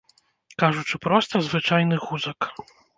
Кажучы проста, звычайны гузак.